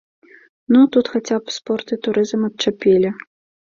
Ну, тут хаця б спорт і турызм адчапілі.